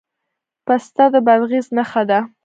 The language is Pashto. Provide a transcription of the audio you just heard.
پسته د بادغیس نښه ده.